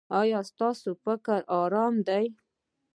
ایا ستاسو فکر ارام دی؟